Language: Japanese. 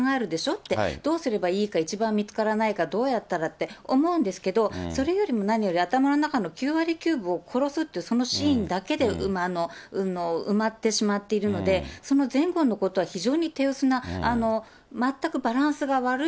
って、どうすればいいか、一番見つからないか、どうやったらって、思うんですけど、それよりも何よりも、頭の中の９割９分を殺すっていう、そのシーンだけで埋まってしまっているので、その前後のことは非常に手薄な、全くバランスが悪い